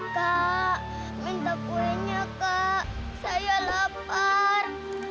kak minta kuenya kak saya lapar